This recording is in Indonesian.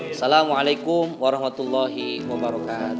assalamu'alaikum warahmatullahi wabarakatuh